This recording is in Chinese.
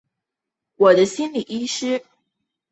我的心理医师